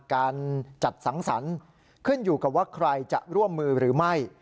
การจัดสังสรรค์ขึ้นอยู่กับว่าใครจะร่วมมือหรือไม่